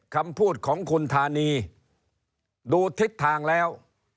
คำพูดของคุณธานีดูทิศทางแล้ว